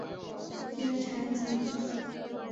原产极地。